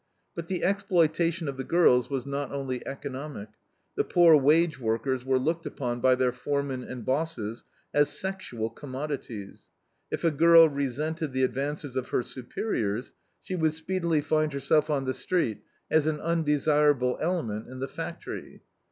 But the exploitation of the girls was not only economic; the poor wage workers were looked upon by their foremen and bosses as sexual commodities. If a girl resented the advances of her "superiors", she would speedily find herself on the street as an undesirable element in the factory.